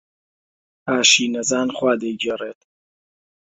ئاشی نەزان خوا دەیگێڕێت.